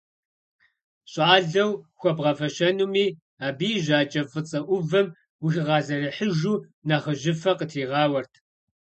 ЩӀалэу хуэбгъэфэщэнуми, абы и жьакӀэ фӀыцӀэ Ӏувым, ухигъэзэрыхьыжу, нэхъыжьыфэ къытригъауэрт.